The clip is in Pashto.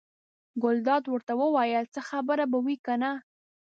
ګلداد ورته وویل: څه خبره به وي کنه.